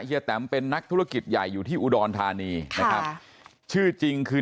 แตมเป็นนักธุรกิจใหญ่อยู่ที่อุดรธานีนะครับชื่อจริงคือ